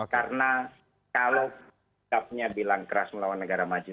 karena kalau setiapnya bilang keras melawan negara maju